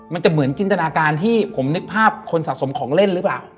มันจะเหมือนจินตนาการที่ผมนึกภาพคนสะสมของเล่นหรือเปล่า